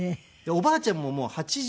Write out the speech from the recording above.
おばあちゃんももう８９。